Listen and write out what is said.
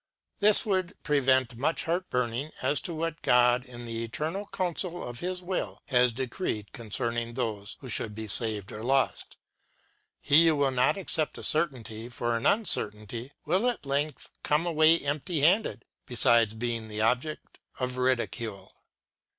This would prevent much heart burning as to what God in the eternal counsel of His will has decreed concerning those who should be saved or lost. He who will not i8o LETTERS OF MARTIN LUTHER 1528 accept a certainty for an uncertainty will at length come away empty handed, besides being the object of ridicule.